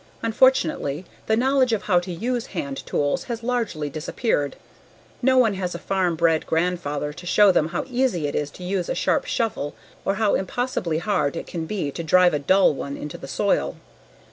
Unfortunately, the knowledge of how to use hand tools has largely disappeared. No one has a farm bred grandfather to show them how easy it is to use a sharp shovel or how impossibly hard it can be to drive a dull one into the soil.